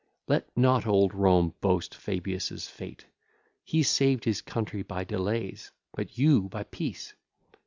V Let not old Rome boast Fabius' fate; He sav'd his country by delays, But you by peace.